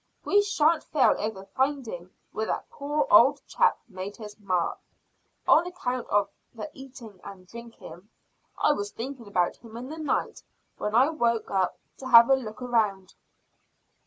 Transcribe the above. We shan't fail over finding where that poor old chap made his map, on account of the eating and drinking. I was thinking about him in the night when I woke up to have a look round."